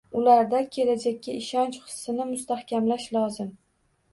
Ularda kelajakka ishonch hissini mastahkamlash lozim.